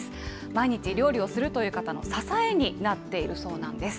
毎日料理をするという方の支えになっているそうなんです。